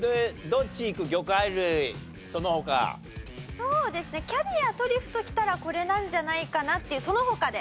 そうですねキャビアトリュフときたらこれなんじゃないかなっていうそのほかで。